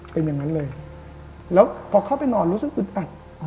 เป็นอย่างนั้นเลยแล้วพอเข้าไปนอนรู้สึกอึดอัด